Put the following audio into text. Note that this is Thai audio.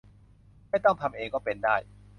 ไม่ต้องทำเอง ก็เป็นได้